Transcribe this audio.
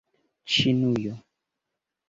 Ĉinujo